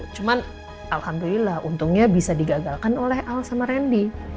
cuman alhamdulillah untungnya bisa digagalkan oleh al sama randy